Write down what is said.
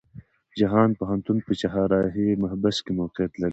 جهان پوهنتون په چهارراهی محبس کې موقيعت لري.